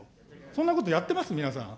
そんなことやってます、皆さん。